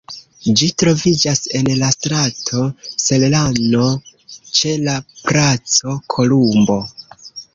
Ĝi troviĝas en la strato Serrano, ĉe la Placo Kolumbo.